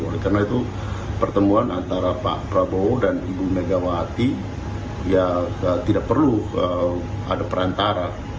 oleh karena itu pertemuan antara pak prabowo dan ibu megawati ya tidak perlu ada perantara